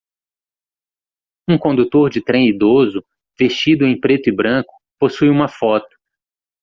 Um condutor de trem idoso? vestido em preto e branco? possui uma foto.